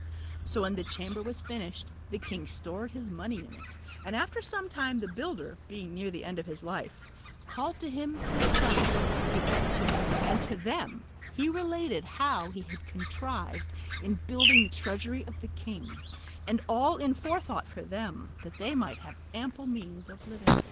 So when the chamber was finished, the king stored his money in it, and after some time the builder, being near the end of his life, called to him his sons (for he had two) and to them he related how he had contrived in building the treasury of the king, and all in forethought for them, that they might have ample means of living.